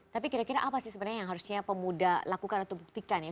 tapi kira kira apa sih sebenarnya yang harusnya pemuda lakukan atau buktikan ya